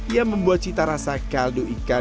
yang membuat cita rasa kaldu ikan